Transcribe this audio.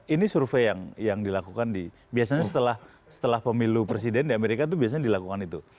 ini survei yang dilakukan di biasanya setelah pemilu presiden di amerika itu biasanya dilakukan itu